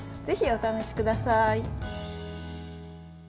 ぜひお試しください。